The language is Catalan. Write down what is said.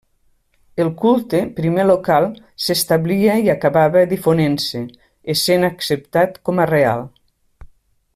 El culte, primer local, s'establia i acabava difonent-se, essent acceptat com a real.